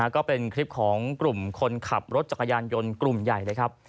ก็เป็นคลิปของกลุ่มคนขับรถจักรยานยนต์กลุ่มใหญ่เลยครับ